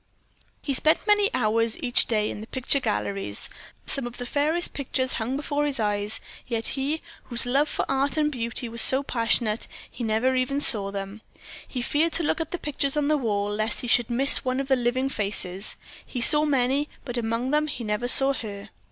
He spent many hours each day in the picture galleries. Some of the fairest pictures hung before his eyes, yet he, whose love for art and beauty was so passionate, never even saw them. He feared to look at the pictures on the wall, lest he should miss one of the living faces. He saw many, but among them he never saw her.